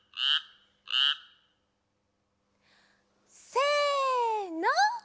せの。